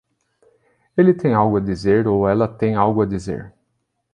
Ele tem algo a dizer ou ela tem algo a dizer.